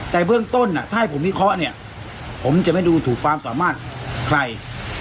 แต่เบื้องต้นถ้าให้ผมวิเคราะห์เนี่ยผมจะไม่ดูถูกความสามารถใคร